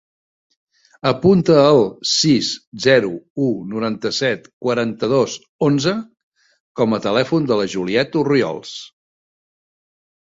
Apunta el sis, zero, u, noranta-set, quaranta-dos, onze com a telèfon de la Juliet Orriols.